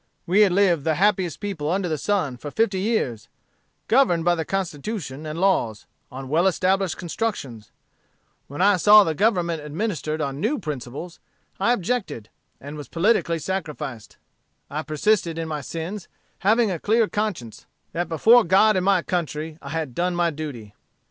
"We had lived the happiest people under the sun for fifty years, governed by the Constitution and laws, on well established constructions: and when I saw the Government administered on new principles, I objected, and was politically sacrificed: I persisted in my sins, having a clear conscience, that before God and my country, I had done my duty.